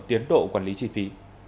tiến độ quản lý chi phí